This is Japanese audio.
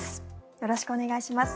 よろしくお願いします。